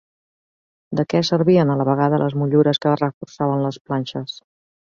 De què servien a la vegada les motllures que reforçaven les planxes?